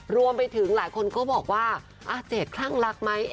รวมไปถึงหลายคนก็บอกว่าอาเจดคลั่งรักไหม